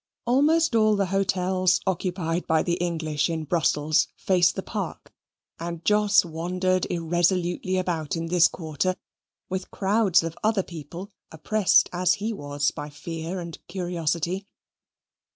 Almost all the hotels occupied by the English in Brussels face the Parc, and Jos wandered irresolutely about in this quarter, with crowds of other people, oppressed as he was by fear and curiosity.